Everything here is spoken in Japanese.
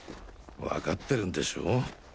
わかってるんでしょう？